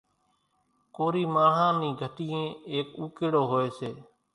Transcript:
ڪورِي ماڻۿان نِي گھٽيئين ايڪ اُوڪيڙو هوئيَ سي۔